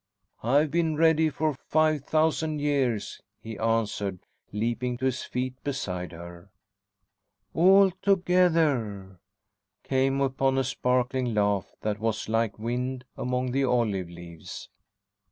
"I've been ready for five thousand years," he answered, leaping to his feet beside her. "Altogether!" came upon a sparkling laugh that was like wind among the olive leaves.